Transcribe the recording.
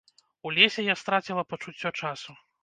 У лесе я страціла пачуццё часу.